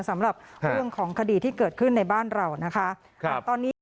สำหรับเรื่องของคดีที่เกิดขึ้นในบ้านเรานะคะ